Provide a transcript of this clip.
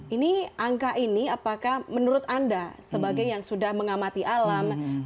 ini angka ini apakah menurut anda sebagai yang sudah mengamati alam